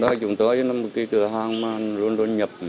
do nhu cầu thị trường